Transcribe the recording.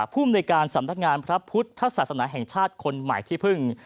ภูมิในการสำนักงานพระพุทธศาสนาแห่งชาติคนใหม่ที่พึ่ง